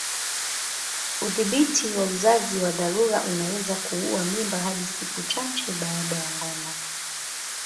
Udhibiti wa uzazi wa dharura unaweza kuua mimba hadi siku chache baada ya ngono.